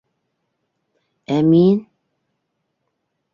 Ә мин?